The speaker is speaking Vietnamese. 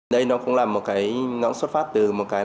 đây nó cũng là một cái nó xuất phát từ một cái